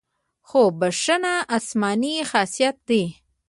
خو بښنه آسماني خاصیت دی.